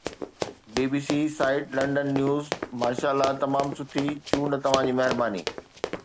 بي B C site London news ماشاءالله تمام سٺي چونڊ توهان جي مهرباني